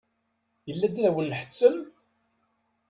Ilad ad wen-nḥettem?